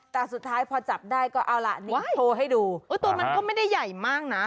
แต่สุดท้ายพอจับได้ก็เอาล่ะนี่โชว์ให้ดูตัวมันก็ไม่ได้ใหญ่มากนะ